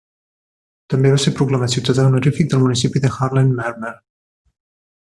També va ser proclamat ciutadà honorífic del municipi de Haarlemmermeer.